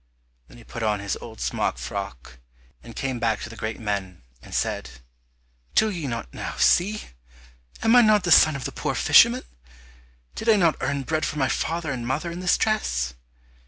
Then he put on his old smock frock, and came back to the great men, and said, "Do ye not now see? Am I not the son of the poor fisherman? Did I not earn bread for my father and mother in this dress?"